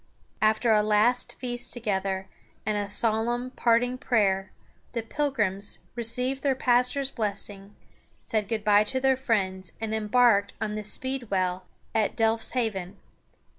After a last feast together, and a solemn parting prayer, the Pilgrims received their pastor's blessing, said good by to their friends, and embarked on the Speedwell at Delfs ha´ven.